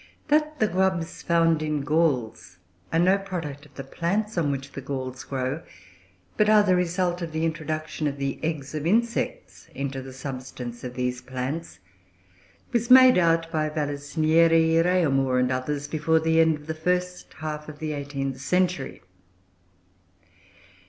That the grubs found in galls are no product of the plants on which the galls grow, but are the result of the introduction of the eggs of insects into the substance of these plants, was made out by Vallisnieri, Réaumur, and others, before the end of the first half of the eighteenth century.